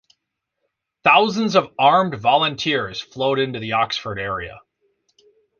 Thousands of armed "volunteers" flowed into the Oxford area.